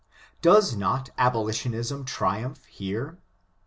Does not abolitionism tri umph here?